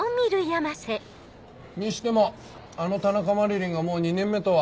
にしてもあの田中麻理鈴がもう２年目とは。